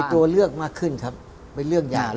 ตัวเลือกมากขึ้นครับเป็นเรื่องยา